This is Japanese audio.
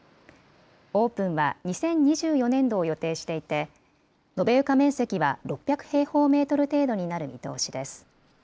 オープンは２０２４年度を予定していて、延べ床面積は６００平方メートル程度になる見通しです。